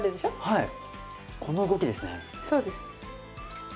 はい。